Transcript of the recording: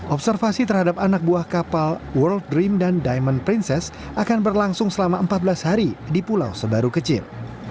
observasi terhadap anak buah kapal world dream dan diamond princess akan berlangsung selama empat belas hari di pulau sebaru kecil